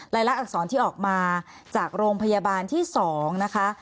ลักษรที่ออกมาจากโรงพยาบาลที่๒นะคะ